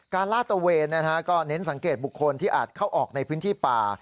ลาดตะเวนก็เน้นสังเกตบุคคลที่อาจเข้าออกในพื้นที่ป่า